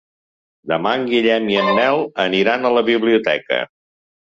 Demà en Guillem i en Nel aniran a la biblioteca.